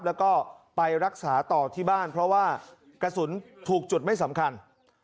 แล้วก็ไปรักษาต่อที่บ้านเพราะว่ากระสุนถูกจุดไม่สำคัญ